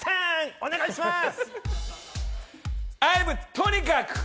お願いします。